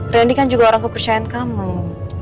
randy kan juga orang kepercayaan kamu